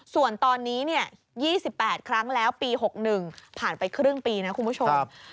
ส่วนตอนนี้๒๘ครั้งแล้วปี๖๑ผ่านไปครึ่งปีนะคุณผู้ชม